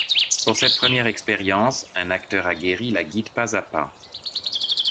Pour cette première expérience, un acteur aguéri la guide pas à pas.